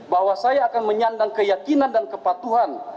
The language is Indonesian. bahwa saya akan menyandang keyakinan dan kepatuhan